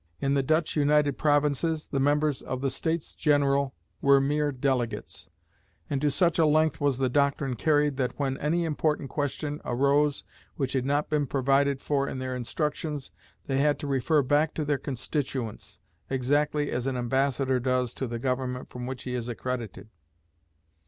In the Dutch United Provinces, the members of the States General were mere delegates; and to such a length was the doctrine carried, that when any important question arose which had not been provided for in their instructions, they had to refer back to their constituents, exactly as an ambassador does to the government from which he is accredited.